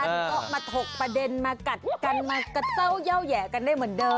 มันก็มาถกประเด็นมากัดกันมากระเจ้าเย่าแหย่กันได้เหมือนเดิม